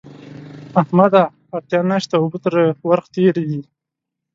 احمده! اړتیا نه شته؛ اوبه تر ورخ تېرې دي.